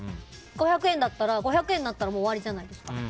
５００円だったら５００円使ったらもう終わりじゃないですか。